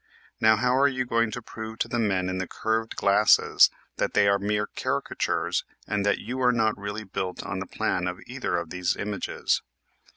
Now how are you going to prove to the men in the curved glasses that they are mere caricatures and that you are not really built on the plan of either of these images?